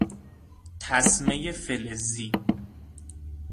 تسمهی فلزی